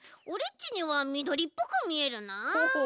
オレっちにはみどりっぽくみえるなあ。